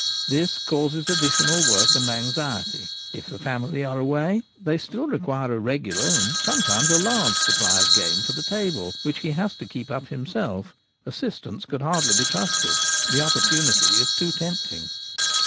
This causes additional work and anxiety. If the family are away they still require a regular and sometimes a large supply of game for the table, which he has to keep up himself — assistants could hardly be trusted: the opportunity is too tempting.